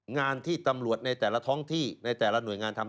งานที่ตำรวจในแต่ละท้องที่ในแต่ละหน่วยงานทำ